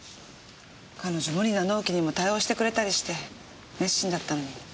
彼女無理な納期にも対応してくれたりして熱心だったのに。